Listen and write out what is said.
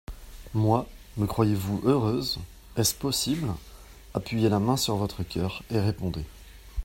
Moi ? Me croyez-vous heureuse ? est-ce possible ? Appuyez la main sur votre coeur, et répondez.